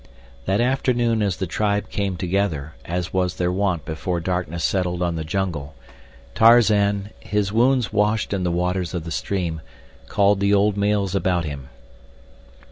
That afternoon as the tribe came together, as was their wont before darkness settled on the jungle, Tarzan, his wounds washed in the waters of the stream, called the old males about him.